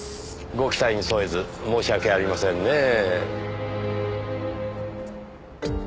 ご期待に沿えず申し訳ありませんねぇ。